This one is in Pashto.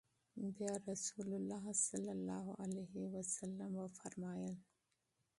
بيا رسول الله صلی الله عليه وسلم وفرمايل: